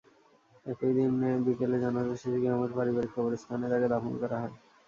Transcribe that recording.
একই দিন বিকেলে জানাজা শেষে গ্রামের পারিবারিক কবরস্থানে তাঁকে দাফন করা হয়।